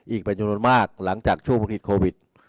อีกบรรยามน้อยมากหลังจากช่วงภาพฤกฤติโควิด